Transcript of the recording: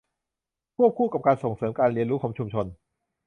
ควบคู่กับการส่งเสริมการเรียนรู้ของชุมชน